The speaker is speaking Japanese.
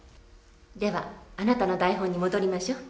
ではあなたの台本に戻りましょう。